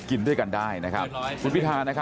ไปพบผู้ราชการกรุงเทพมหานครอาจารย์ชาติชาติฝิทธิพันธ์นะครับ